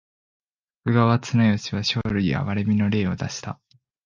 徳川綱吉は生類憐みの令を出した。